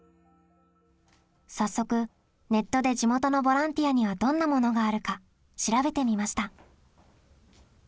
早速ネットで地元のボランティアにはどんなものがあるか調べてみました。